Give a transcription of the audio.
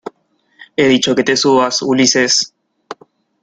he dicho que te subas, Ulises.